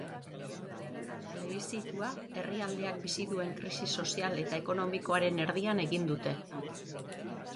Plebiszitua herrialdeak bizi duen krisi sozial eta ekonomikoaren erdian egin dute.